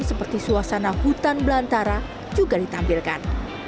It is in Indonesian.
seperti suasana hutan belantara juga ditampilkan